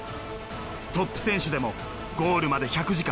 トップ選手でもゴールまで１００時間。